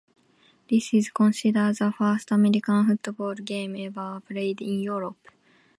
This is considered the first American football game ever played in Europe.